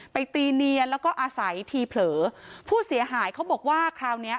ตีเนียนแล้วก็อาศัยทีเผลอผู้เสียหายเขาบอกว่าคราวเนี้ย